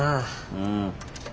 うん。